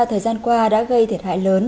thời gian qua đã gây thiệt hại lớn